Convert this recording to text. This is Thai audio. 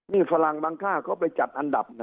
มีฝรั่งบังคาเขาไปจัดอันดับ